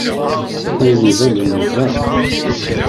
Ayen ibanen iban!